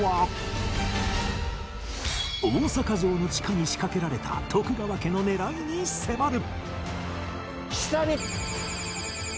大阪城の地下に仕掛けられた徳川家の狙いに迫る！